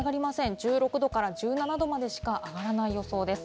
１６度から１７度までしか上がらない予想です。